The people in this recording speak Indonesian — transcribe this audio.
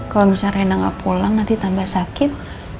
kalau misalnya rena nggak pulang nanti tambah sakit